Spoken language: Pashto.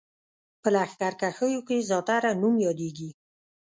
په لښکرکښیو کې زیاتره نوم یادېږي.